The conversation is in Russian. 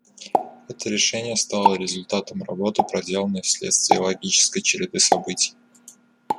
Это решение стало результатом работы, проделанной вследствие логической череды событий.